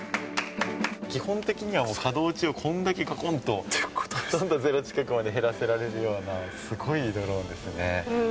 基本的には作動中、ほとんど、こんだけがこんと、ほとんどゼロ近くまで減らせられるような、すごいドローンですね。